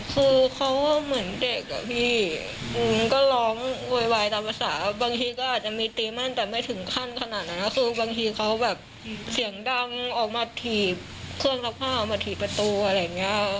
คือเขาก็เหมือนเด็กอ่ะพี่มันก็ร้องโวยวายตามภาษาบางทีก็อาจจะมีตีมั่นแต่ไม่ถึงขั้นขนาดนั้นก็คือบางทีเขาแบบเสียงดังออกมาถีบเครื่องซักผ้าออกมาถีบประตูอะไรอย่างนี้